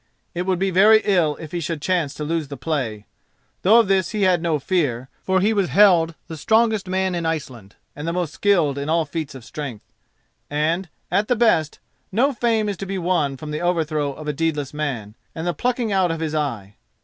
It would be very ill if he should chance to lose the play—though of this he had no fear, for he was held the strongest man in Iceland and the most skilled in all feats of strength—and, at the best, no fame is to be won from the overthrow of a deedless man, and the plucking out of his eye.